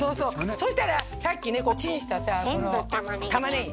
そしたらさっきねチンしたさこのたまねぎ。